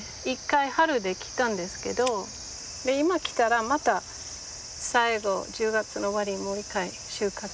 １回春出来たんですけど今切ったらまた最後１０月の終わりにもう一回収穫できる。